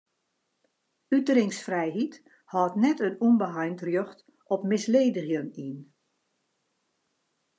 Uteringsfrijheid hâldt net in ûnbeheind rjocht op misledigjen yn.